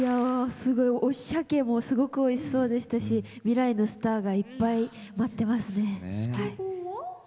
鮭もすごく、おいしそうでしたし未来のスターがいっぱい待ってますね。